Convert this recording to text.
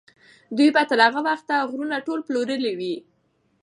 دوی به تر هغه وخته غرونه ټول پلورلي وي.